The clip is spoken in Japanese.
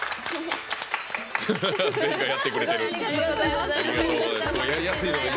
やってくれてる。